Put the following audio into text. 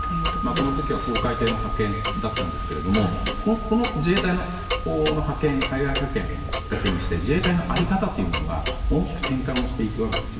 この時は掃海艇の派遣だったんですがこの自衛隊の海外派遣をきっかけにして自衛隊の在り方というものが大きく転換をしていくわけです。